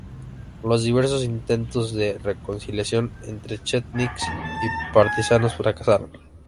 Los diversos intentos de reconciliación entre chetniks y partisanos fracasaron.